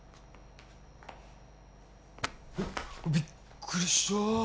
えっびっくりした。